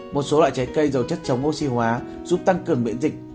một số loại trái cây giàu chất chống oxy hóa giúp tăng cường miễn dịch